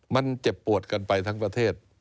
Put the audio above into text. มันเจ็บปวดกันไปทั้งประเทศ